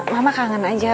mama kangen aja